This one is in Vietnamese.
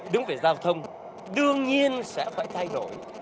đúng với giao thông đương nhiên sẽ phải thay đổi